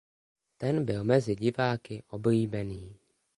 Ten byl mezi diváky oblíbený.